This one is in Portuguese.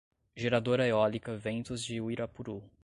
Geradora Eólica Ventos de Uirapuru